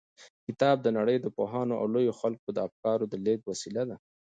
کتاب د نړۍ د پوهانو او لويو خلکو د افکارو د لېږد وسیله ده.